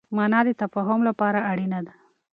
مانا د تفاهم لپاره اړينه ده.